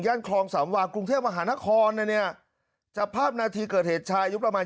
คลองสามวากรุงเทพมหานครนะเนี่ยจับภาพนาทีเกิดเหตุชายุคประมาณ